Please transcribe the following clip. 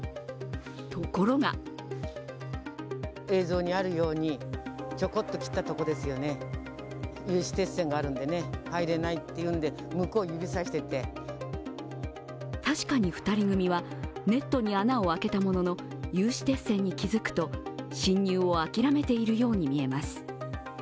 ところがたしかに、２人組はネットに穴を開けたものの有刺鉄線に気づくと、侵入を諦めているように見えます。